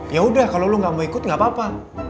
yaudah kalo lo gak mau ikut gak apa apa